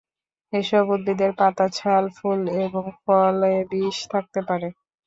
এসব উদ্ভিদের পাতা, ছাল, ফুল এবং ফলে বিষ থাকতে পারে।